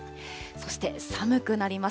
そして寒くなります。